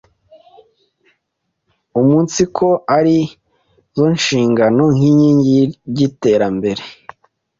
umunsiko ari zo shingiro n’inkingi by’iterambere